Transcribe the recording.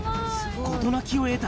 事なきを得た。